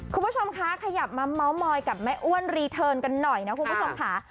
คุณผู้ชมคะขยับมาเมาส์มอยกับแม่อ้วนรีเทิร์นกันหน่อยนะคุณผู้ชมค่ะ